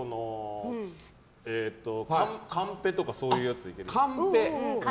カンペとかそういうやついける？